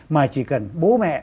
mà chỉ cần bố mẹ